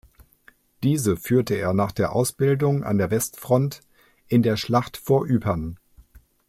Diese führte er nach der Ausbildung an der Westfront in der Schlacht vor Ypern.